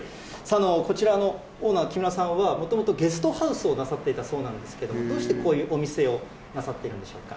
こちら、オーナー、木村さんは、もともとゲストハウスをなさっていたそうなんですけど、どうしてこういうお店をなさってるんでしょうか。